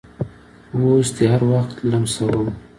اوس دې هر وخت لمسوم